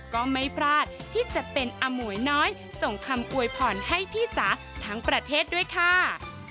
ก็ไม่พลาดที่จะเป็นอมวยน้อยส่งคำอวยพรให้พี่จ๋าทั้งประเทศด้วยค่ะ